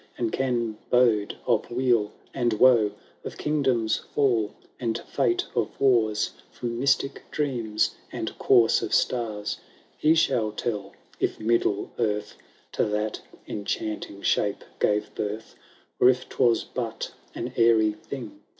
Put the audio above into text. And can bode of weal and woe. Of kingdoms* fall, and fate of wan, .From mystic dreams and course of stars. He shall tell if middle earth To that enchanting shape gave birth, Or if Hwas but an airy thing.